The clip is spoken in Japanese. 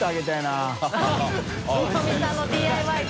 ヒロミさんのＤＩＹで。